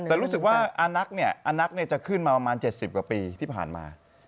แต่รู้สึกว่าอานักจะขึ้นมาประมาณ๗๐กว่าปีที่ผ่านมา